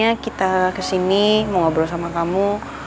tapi kalau dia datang ke sini mau ngobrol sama kamu